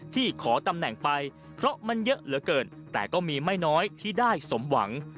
ที่ขอตำแหน่งไปเพราะมันเยอะเหลือเกินแต่ก็มีไม่น้อยที่ได้สมหวัง